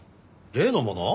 例のもの？